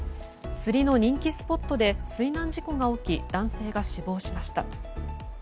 釣りの人気スポットで水難事故が起き男性が死亡しました。